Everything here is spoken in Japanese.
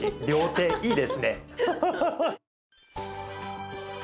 両手いいですね。